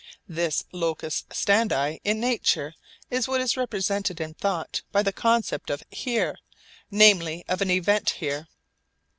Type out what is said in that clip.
This locus standi in nature is what is represented in thought by the concept of 'here,' namely of an 'event here.'